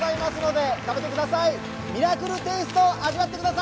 ミラクルテイストを味わってください！